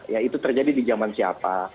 ya itu terjadi di zaman siapa